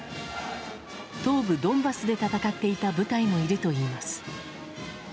東部ドンバスで戦っていた部隊もいるといいます。